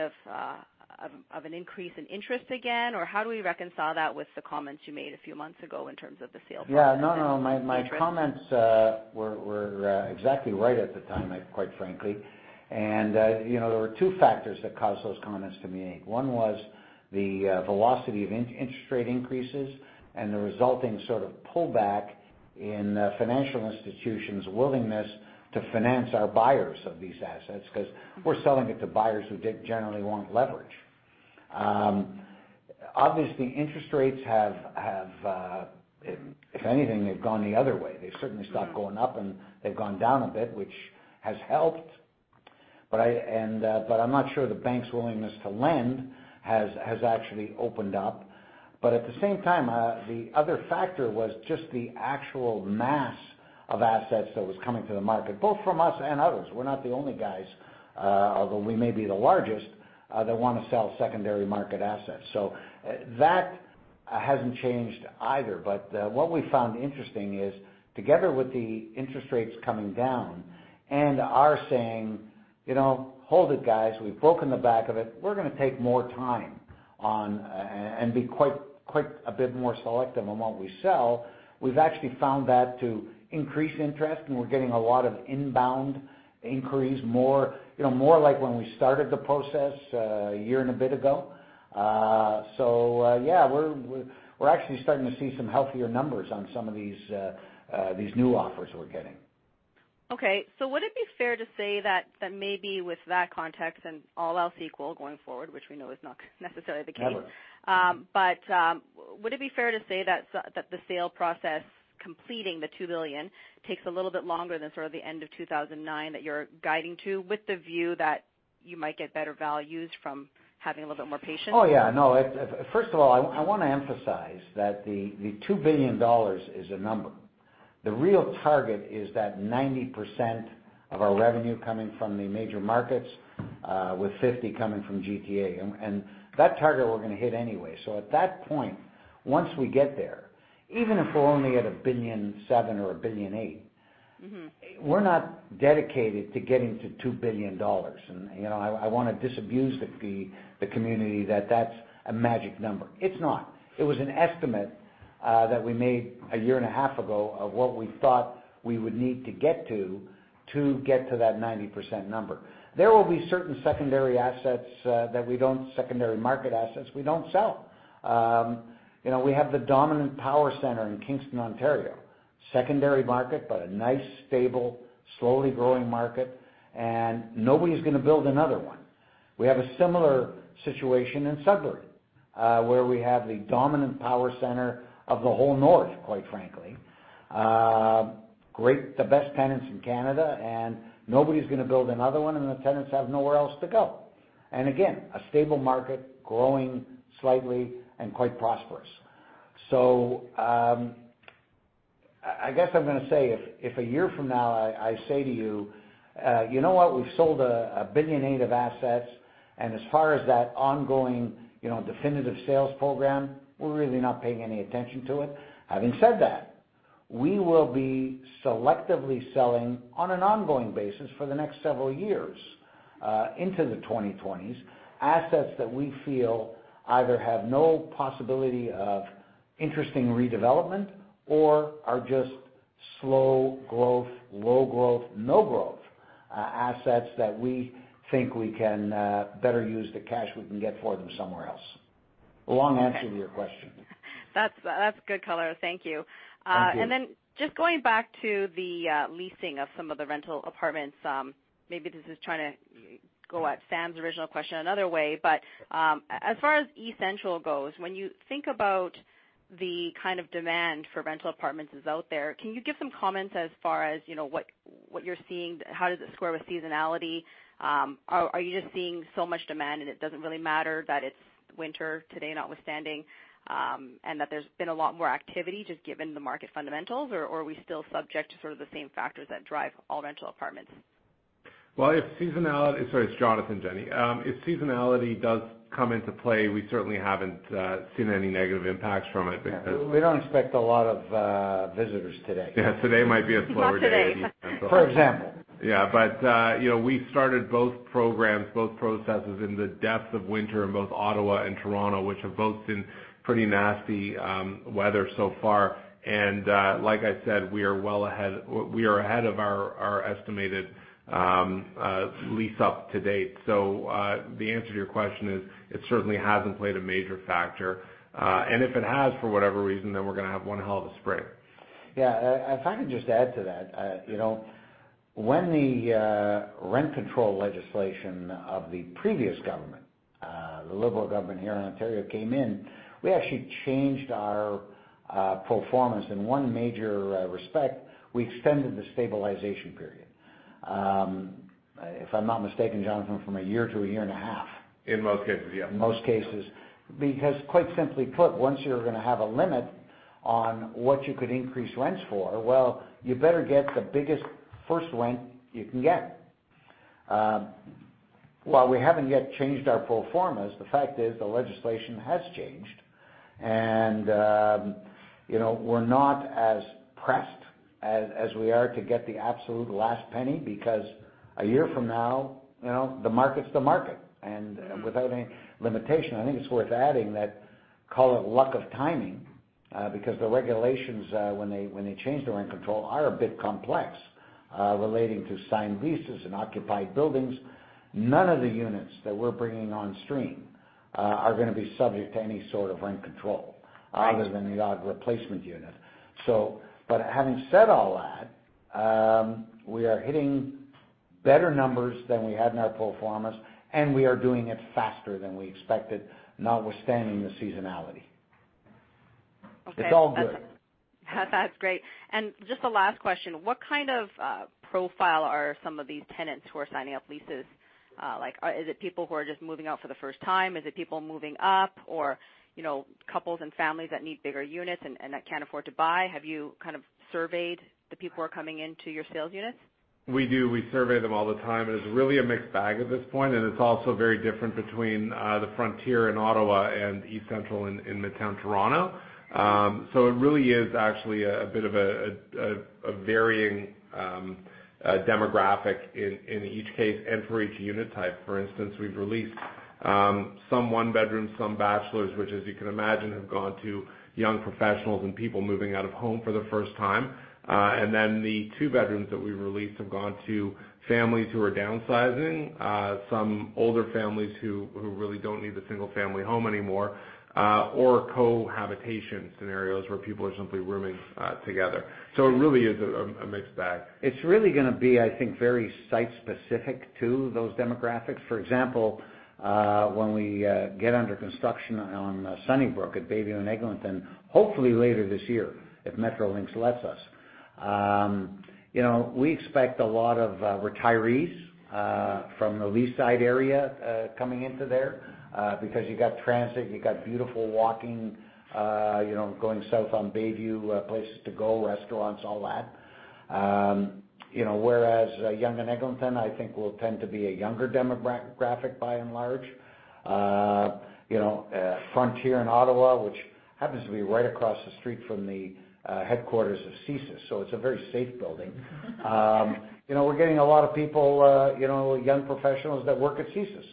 of an increase in interest again? Or how do we reconcile that with the comments you made a few months ago in terms of the sales process and interest? Yeah. No, no. My comments were exactly right at the time, quite frankly. There were two factors that caused those comments to be made. One was the velocity of interest rate increases and the resulting sort of pullback in financial institutions' willingness to finance our buyers of these assets because we're selling it to buyers who generally want leverage. Obviously, interest rates have, if anything, they've gone the other way. They've certainly stopped going up, and they've gone down a bit, which has helped. I'm not sure the bank's willingness to lend has actually opened up. At the same time, the other factor was just the actual mass of assets that was coming to the market, both from us and others. We're not the only guys, although we may be the largest, that want to sell secondary market assets. That hasn't changed either. But what we found interesting is together with the interest rates coming down and our saying, "Hold it, guys. We've broken the back of it. We're going to take more time on and be quite a bit more selective on what we sell," we've actually found that to increase interest, and we're getting a lot of inbound inquiries more like when we started the process a year and a bit ago. Yeah, we're actually starting to see some healthier numbers on some of these new offers we're getting. Okay. Would it be fair to say that maybe with that context and all else equal going forward, which we know is not necessarily the case. Never. Would it be fair to say that the sale process completing the 2 billion takes a little bit longer than sort of the end of 2009 that you're guiding to with the view that you might get better values from having a little bit more patience? Oh, yeah. No. First of all, I want to emphasize that the 2 billion dollars is a number. The real target is that 90% of our revenue coming from the major markets, with 50% coming from GTA. That target we're going to hit anyway. At that point, once we get there, even if we're only at 1.7 billion or 1.8 billion. We're not dedicated to getting to 2 billion dollars. I want to disabuse the community that that's a magic number. It's not. It was an estimate that we made a year and a half ago of what we thought we would need to get to get to that 90% number. There will be certain secondary market assets we don't sell. We have the dominant power center in Kingston, Ontario. Secondary market, but a nice, stable, slowly growing market, and nobody's going to build another one. We have a similar situation in Sudbury, where we have the dominant power center of the whole north, quite frankly. The best tenants in Canada, and nobody's going to build another one, and the tenants have nowhere else to go. Again, a stable market, growing slightly and quite prosperous. I guess I'm going to say if a year from now I say to you, "You know what? We've sold 1.8 billion of assets, and as far as that ongoing definitive sales program, we're really not paying any attention to it." Having said that, we will be selectively selling on an ongoing basis for the next several years into the 2020s assets that we feel either have no possibility of interesting redevelopment or are just slow growth, low growth, no growth assets that we think we can better use the cash we can get for them somewhere else. A long answer to your question. That's good color. Thank you. Thank you. Just going back to the leasing of some of the rental apartments. Maybe this is trying to go at Sam's original question another way, but as far as eCentral goes, when you think about the kind of demand for rental apartments is out there, can you give some comments as far as what you're seeing? How does it square with seasonality? Are you just seeing so much demand, and it doesn't really matter that it's winter today notwithstanding, and that there's been a lot more activity just given the market fundamentals, or are we still subject to sort of the same factors that drive all rental apartments? Well, sorry, it's Jonathan, Jenny. If seasonality does come into play, we certainly haven't seen any negative impacts from it because. We don't expect a lot of visitors today. Yeah. Today might be a slow day. Not today. For example. We started both programs, both processes in the depths of winter in both Ottawa and Toronto, which have both seen pretty nasty weather so far. Like I said, we are ahead of our estimated lease up to date. The answer to your question is it certainly hasn't played a major factor. If it has for whatever reason, then we're going to have one hell of a spring. Yeah. If I could just add to that. When the rent control legislation of the previous government, the Liberal government here in Ontario, came in, we actually changed our pro formas. In one major respect, we extended the stabilization period. If I'm not mistaken, Jonathan, from a year to a year and a half. In most cases, yeah. Quite simply put, once you're going to have a limit on what you could increase rents for, well, you better get the biggest first rent you can get. While we haven't yet changed our pro formas, the fact is the legislation has changed. We're not as pressed as we are to get the absolute last penny, because a year from now, the market's the market, and without any limitation. I think it's worth adding that call it luck of timing, because the regulations, when they change the rent control, are a bit complex, relating to signed leases and occupied buildings. None of the units that we're bringing on stream are going to be subject to any sort of rent control. Right Other than the odd replacement unit. Having said all that, we are hitting better numbers than we had in our pro formas, and we are doing it faster than we expected, notwithstanding the seasonality. Okay. It's all good. That's great. Just a last question. What kind of profile are some of these tenants who are signing up leases? Is it people who are just moving out for the first time? Is it people moving up? Couples and families that need bigger units and that can't afford to buy? Have you surveyed the people who are coming into your sales units? We do. We survey them all the time. It's really a mixed bag at this point, and it's also very different between the Frontier in Ottawa and eCentral in midtown Toronto. It really is actually a bit of a varying demographic in each case and for each unit type. For instance, we've released some one-bedrooms, some bachelors, which, as you can imagine, have gone to young professionals and people moving out of home for the first time. The two bedrooms that we've released have gone to families who are downsizing. Some older families who really don't need the single-family home anymore, or cohabitation scenarios where people are simply rooming together. It really is a mixed bag. It's really gonna e, I think, very site-specific, too, those demographics. For example, when we get under construction on Sunnybrook at Bayview and Eglinton, hopefully later this year, if Metrolinx lets us. We expect a lot of retirees from the Leaside area coming into there, because you got transit, you got beautiful walking, going south on Bayview, places to go, restaurants, all that. Whereas Yonge and Eglinton, I think, will tend to be a younger demographic, by and large. Frontier in Ottawa, which happens to be right across the street from the headquarters of CSIS, so it's a very safe building. We're getting a lot of people, young professionals that work at CSIS,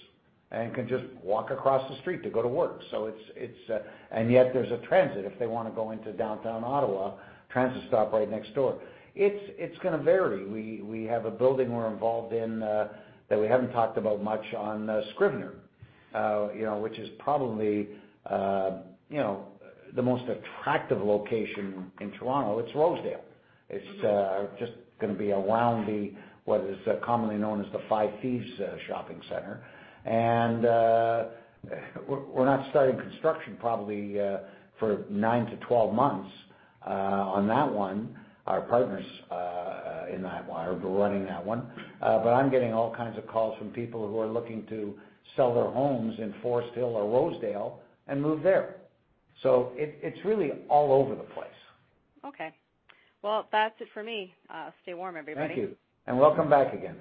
and can just walk across the street to go to work. There's a transit if they want to go into downtown Ottawa. Transit stop right next door. It's going to vary. We have a building we're involved in that we haven't talked about much on Scrivener, which is probably the most attractive location in Toronto. It's Rosedale. It's just going to be around what is commonly known as the Five Thieves Shopping Centre. We're not starting construction probably for nine to 12 months on that one. Our partners in that one are running that one. I'm getting all kinds of calls from people who are looking to sell their homes in Forest Hill or Rosedale and move there. It's really all over the place. Okay. That's it for me. Stay warm, everybody. Thank you. Welcome back again.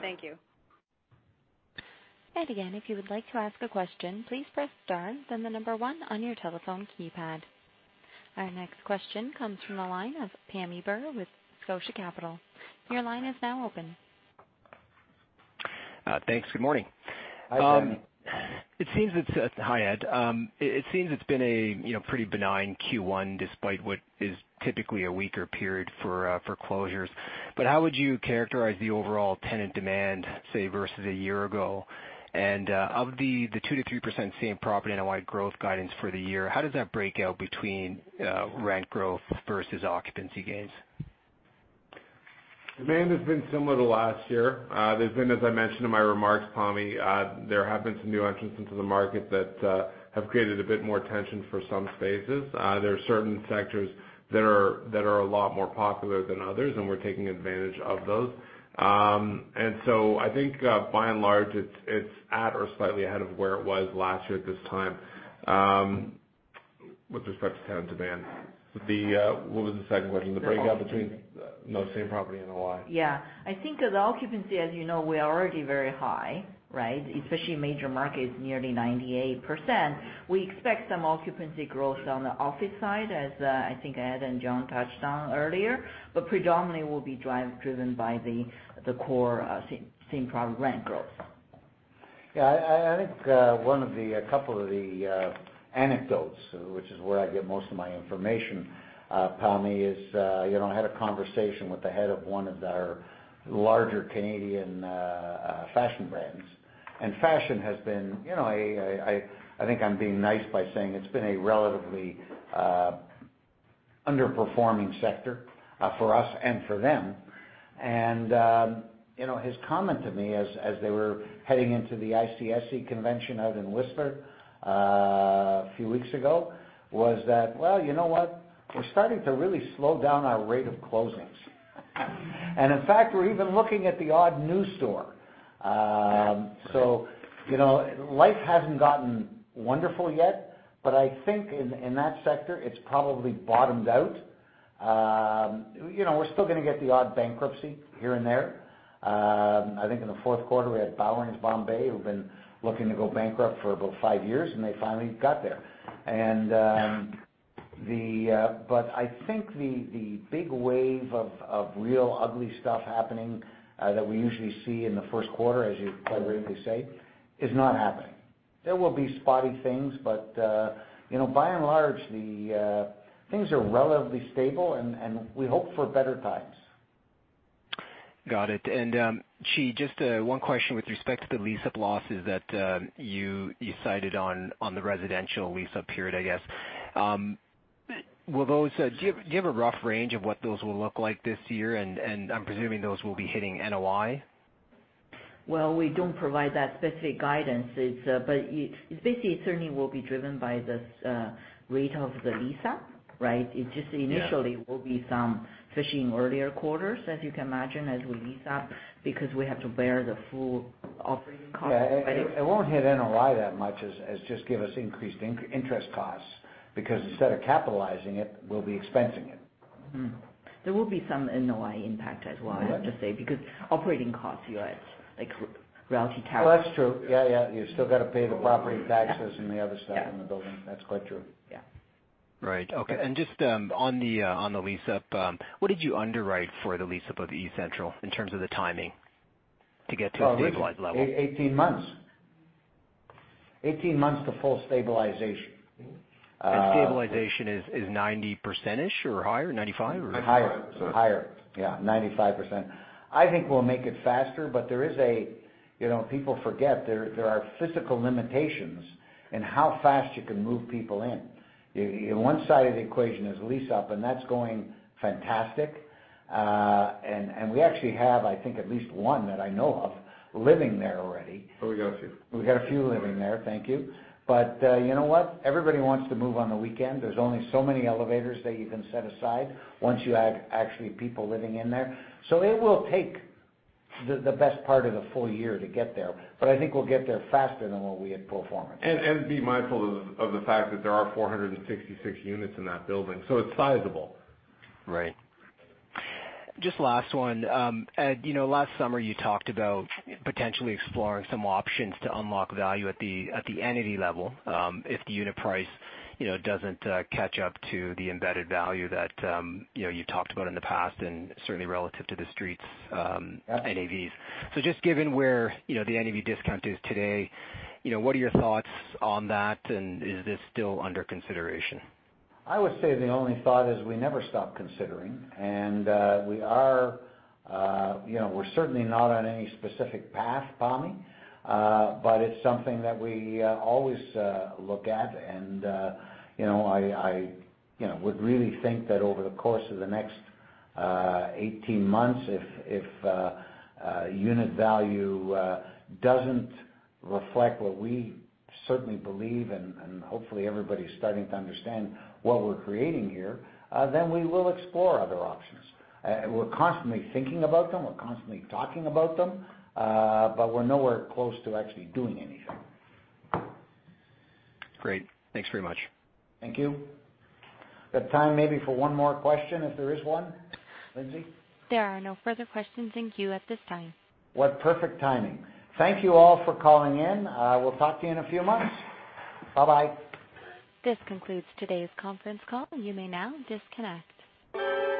Thank you. Again, if you would like to ask a question, please press star, then the number one on your telephone keypad. Our next question comes from the line of Pammi Bir with Scotiabank. Your line is now open. Thanks. Good morning. Hi, Pammi. It seems.. Hi, Ed. It seems it's been a pretty benign Q1 despite what is typically a weaker period for closures. How would you characterize the overall tenant demand, say, versus a year ago? Of the 2%-3% same property NOI growth guidance for the year, how does that break out between rent growth versus occupancy gains? Demand has been similar to last year. There's been, as I mentioned in my remarks, Pammi, there have been some new entrants into the market that have created a bit more tension for some spaces. There are certain sectors that are a lot more popular than others, we're taking advantage of those. I think, by and large, it's at or slightly ahead of where it was last year at this time. With respect to tenant demand. What was the second question? The follow-up. No same property NOI. Yeah. I think the occupancy, as you know, we are already very high, right? Especially major markets, nearly 98%. We expect some occupancy growth on the office side as I think Ed and John touched on earlier. Predominantly will be driven by the core same-property rent growth. Yeah. I think a couple of the anecdotes, which is where I get most of my information, Pammi, is I had a conversation with the head of one of our larger Canadian fashion brands. Fashion has been-- I think I'm being nice by saying it's been a relatively underperforming sector for us and for them. His comment to me as they were heading into the ICSC convention out in Whistler a few weeks ago, was that, "Well, you know what? We're starting to really slow down our rate of closings. In fact, we're even looking at the odd new store". Life hasn't gotten wonderful yet, but I think in that sector, it's probably bottomed out. We're still going to get the odd bankruptcy here and there. I think in the fourth quarter, we had Bowring Bombay, who've been looking to go bankrupt for about five years, and they finally got there. I think the big wave of real ugly stuff happening that we usually see in the first quarter, as you quite rightly say, is not happening. There will be spotty things, but by and large, things are relatively stable and we hope for better times. Got it. Qi, just one question with respect to the lease-up losses that you cited on the residential lease-up period, I guess. Do you have a rough range of what those will look like this year? I'm presuming those will be hitting NOI. We don't provide that specific guidance. Basically, it certainly will be driven by this rate of the lease-up. Right? Yeah. It just initially will be some hitting earlier quarters, as you can imagine, as we lease up, because we have to bear the full operating cost. Yeah. It won't hit NOI that much as just give us increased interest costs, because instead of capitalizing it, we'll be expensing it. There will be some NOI impact as well. Okay. I have to say, because operating costs, like property taxes. Well, that's true. Yeah. You still got to pay the property taxes and the other stuff in the building. Yeah. That's quite true. Yeah. Right. Okay. Just on the lease-up, what did you underwrite for the lease-up of eCentral in terms of the timing to get to a stabilized level? 18 months. 18 months to full stabilization. Stabilization is 90% or higher? 95% or higher? Higher. 95%. Higher. 95%. People forget there are physical limitations in how fast you can move people in. One side of the equation is lease-up, and that's going fantastic. We actually have, I think, at least one that I know of living there already. We got a few. We got a few living there. Thank you. You know what? Everybody wants to move on the weekend. There's only so many elevators that you can set aside once you have actually people living in there. It will take the best part of the full year to get there. I think we'll get there faster than what we had performed. And be mindful of the fact that there are 466 units in that building. It's sizable. Right. Just last one. Ed, last summer, you talked about potentially exploring some options to unlock value at the entity level if the unit price doesn't catch up to the embedded value that you talked about in the past and certainly relative to the streets. Yeah. NAVs. Just given where the NAV discount is today, what are your thoughts on that? Is this still under consideration? I would say the only thought is we never stop considering. We're certainly not on any specific path, Pammi. It's something that we always look at, and I would really think that over the course of the next 18 months, if unit value doesn't reflect what we certainly believe, and hopefully everybody's starting to understand what we're creating here, then we will explore other options. We're constantly thinking about them, we're constantly talking about them. We're nowhere close to actually doing anything. Great. Thanks very much. Thank you. We got time maybe for one more question if there is one. Lindsay? There are no further questions in queue at this time. What perfect timing. Thank you all for calling in. We will talk to you in a few months. Bye-bye. This concludes today's conference call. You may now disconnect.